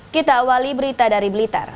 kita awali berita dari blitar